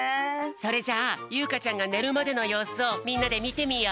それじゃあゆうかちゃんがねるまでのようすをみんなでみてみよう。